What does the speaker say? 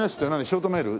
ショートメール？